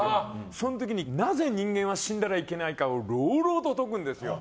その時に、なぜ人間は死んだらいけないかを朗々と説くんです。